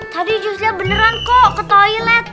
tadi just lianya beneran kok ke toilet